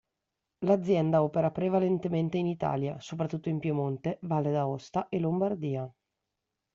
L'azienda opera prevalentemente in Italia, soprattutto in Piemonte, Valle d'Aosta e Lombardia.